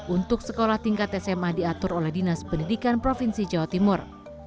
untuk sekolah tingkat sma diatur oleh dinas pendidikan provinsi jawa timur